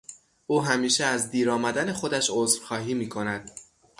او همیشه از دیر آمدن خودش عذرخواهی میکند.